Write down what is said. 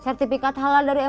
sertifikat halal dari mui